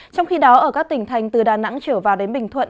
trong khi đó ở các tỉnh thành từ đà nẵng trở vào đến bình thuận